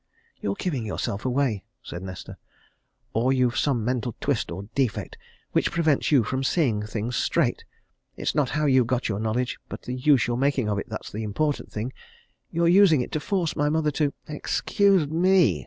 "You're giving yourself away," said Nesta. "Or you've some mental twist or defect which prevents you from seeing things straight. It's not how you got your knowledge, but the use you're making of it that's the important thing! You're using it to force my mother to " "Excuse me!"